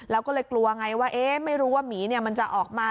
แล้วก็เลยกลัวไงว่าเอ๊ะไม่รู้ว่ามีเนี่ยมันจะออกมา